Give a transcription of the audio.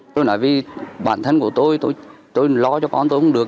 tôi nói vì bản thân của tôi tôi lo cho con tôi không được